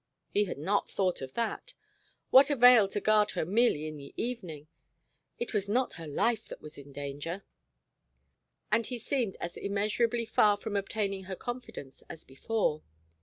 He had not thought of that! What avail to guard her merely in the evening? It was not her life that was in danger.... And he seemed as immeasurably far from obtaining her confidence as before.